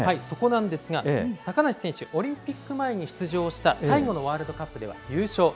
そこなんですが、高梨選手、オリンピック前に出場した最後のワールドカップでは優勝。